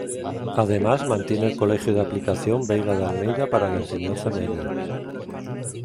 Además mantiene el Colegio de aplicación Veiga de Almeida para la enseñanza media.